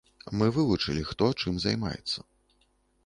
Мы вывучылі, хто чым займаецца.